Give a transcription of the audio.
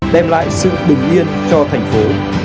đem lại sự bình yên cho thành phố